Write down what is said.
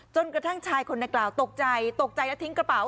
จนกระทั่งชายคนนักกล่าวตกใจตกใจแล้วทิ้งกระเป๋า